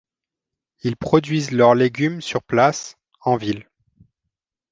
Ils produisent leurs légumes sur place, en ville.